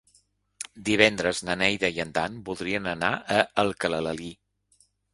Divendres na Neida i en Dan voldrien anar a Alcalalí.